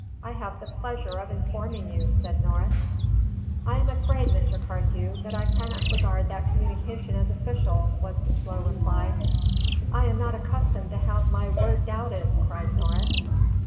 I have the pleasure of informing you," said Norris. "I am afraid, Mr. Carthew, that I cannot regard that communication as official," was the slow reply. "I am not accustomed to have my word doubted!" cried Norris.